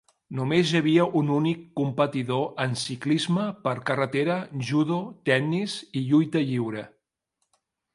Només hi havia un únic competidor en ciclisme per carretera, judo, tennis i lluita lliure.